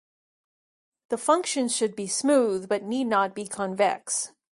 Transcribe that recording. The functions should be smooth but need not be convex.